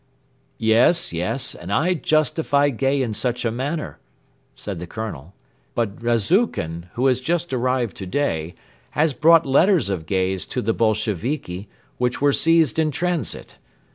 "Yes, yes, and I justified Gay in such a manner," said the Colonel, "but Rezukhin, who has just arrived today, has brought letters of Gay's to the Bolsheviki which were seized in transit.